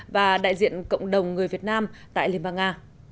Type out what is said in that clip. và đại diện cộng đồng người việt nam tại liên bang nga